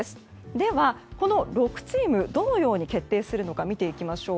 では、この６チームどのように決定するのか見ていきましょう。